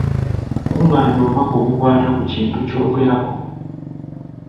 Kungaanya obubaka obukwata ku kintu kyogerako.